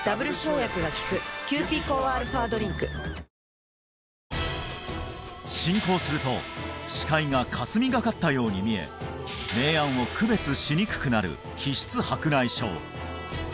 なるほど進行すると視界がかすみがかったように見え明暗を区別しにくくなる皮質白内障